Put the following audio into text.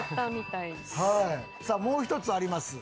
さあもう一つあります。